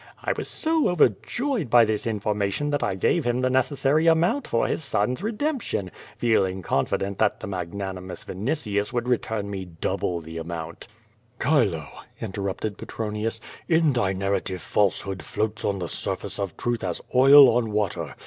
I was so over joyed by this information that I gave him the necessary amount for his son's redemption, feeling confident that the magnanimous Vinitius would return me double the amount." "Chilo," interrupted Petronius, "in thy narrative falsehood floats on the surface of truth as oil on water.